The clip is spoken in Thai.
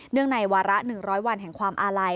ในวาระ๑๐๐วันแห่งความอาลัย